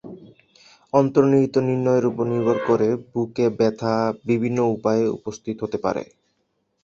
অন্তর্নিহিত নির্ণয়ের উপর নির্ভর করে বুকে ব্যথা বিভিন্ন উপায়ে উপস্থিত হতে পারে।